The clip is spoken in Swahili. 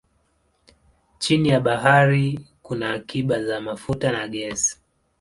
Chini ya bahari kuna akiba za mafuta na gesi.